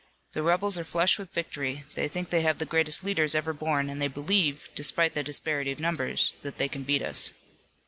The rebels are flushed with victory, they think they have the greatest leaders ever born and they believe, despite the disparity of numbers, that they can beat us."